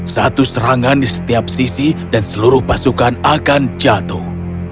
satu serangan di setiap sisi dan seluruh pasukan akan jatuh